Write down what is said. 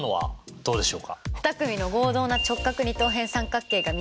どうでしょう？